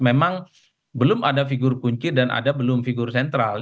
memang belum ada figur kunci dan ada belum figur sentral